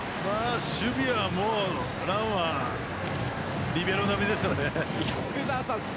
守備はもう藍はリベロ並みですからね。